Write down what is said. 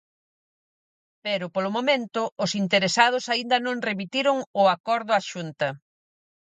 Pero, polo momento, os interesados aínda non remitiron o acordo á Xunta.